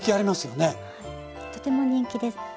とても人気です。